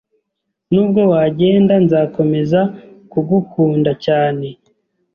Nubwo wagenda, nzakomeza kugukunda cyane